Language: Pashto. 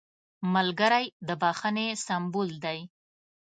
ملګری د بښنې سمبول دی